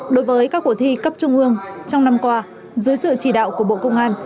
đối với các cuộc thi cấp trung ương trong năm qua dưới sự chỉ đạo của bộ công an